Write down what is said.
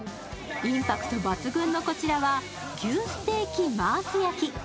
インパクト抜群のこちらは牛ステーキマース焼き。